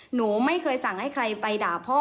หนูไม่เคยสั่งให้ใครไปด่าพ่อ